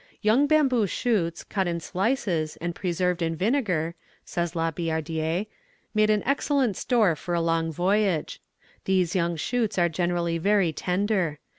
] "Young bamboo shoots, cut in slices, and preserved in vinegar," says La Billardière, "made an excellent store for a long voyage. These young shoots are generally very tender.